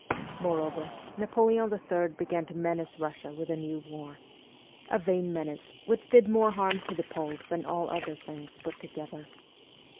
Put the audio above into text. Moreover, Napoleon III. began to menace Russia with a new war a vain menace, which did more harm to the Poles than all other things put together.